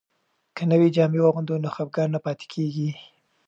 که نوې جامې واغوندو نو خپګان نه پاتې کیږي.